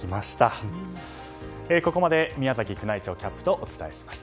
ここまで宮崎宮内庁キャップとお伝えしました。